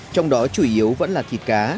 trong đó chủ yếu vẫn là thịt cá